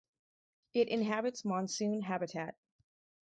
It inhabits monsoon habitat.